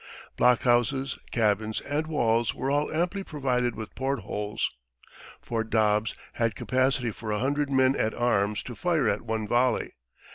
Blockhouses, cabins, and walls were all amply provided with port holes; Fort Dobbs had capacity for a hundred men at arms to fire at one volley.